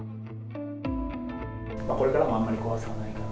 これからもあんまり怖さはないかな？